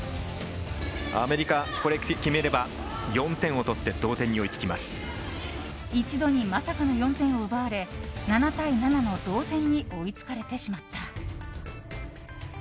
アメリカ、これで決めれば４点をとって一度にまさかの４点を奪われ７対７の同点に追いつかれてしまった。